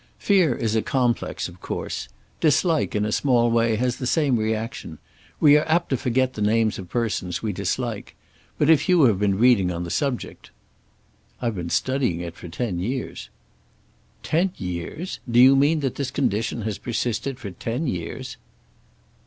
Fear is a complex, of course. Dislike, in a small way, has the same reaction. We are apt to forget the names of persons we dislike. But if you have been reading on the subject " "I've been studying it for ten years." "Ten years! Do you mean that this condition has persisted for ten years?"